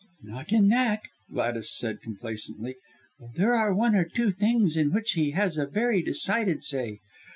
"Not in that," Gladys said complacently, "though there are one or two things in which he has a very decided say.